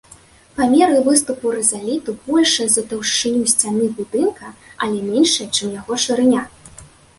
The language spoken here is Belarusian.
Памеры выступу рызаліту большыя за таўшчыню сцяны будынка, але меншыя, чым яго шырыня.